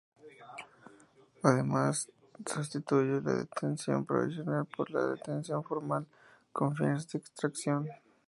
Además sustituye la detención provisional por la detención formal con fines de extradición.